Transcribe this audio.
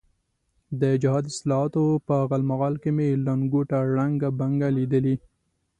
د جهاد اصطلاحاتو په غالمغال کې مې لنګوټه ړنګه بنګه لیدلې.